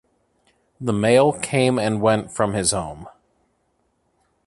The mail came and went from his home.